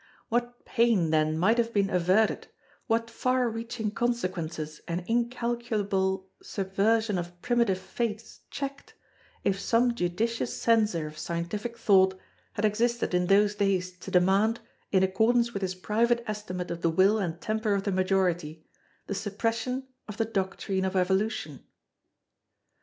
What pain, then, might have been averted, what far reaching consequences and incalculable subversion of primitive faiths checked, if some judicious Censor of scientific thought had existed in those days to demand, in accordance with his private estimate of the will and temper of the majority, the suppression of the doctrine of Evolution.